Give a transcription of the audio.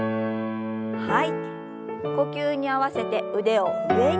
呼吸に合わせて腕を上に。